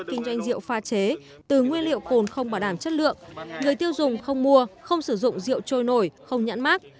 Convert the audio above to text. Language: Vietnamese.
kinh doanh rượu pha chế từ nguyên liệu cồn không bảo đảm chất lượng người tiêu dùng không mua không sử dụng rượu trôi nổi không nhãn mát